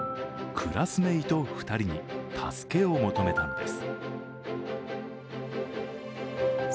クラスメート２人に助けを求めたのです。